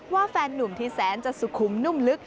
แฟนนุ่มที่แสนจะสุขุมนุ่มลึก